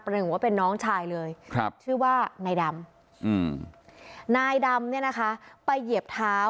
ประหนึ่งว่าเป็นน้องชายเลย